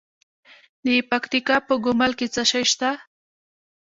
د پکتیکا په ګومل کې څه شی شته؟